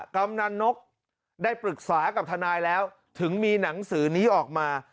กำนันนกได้ปรึกษากับทนายแล้วถึงมีหนังสือนี้ออกมา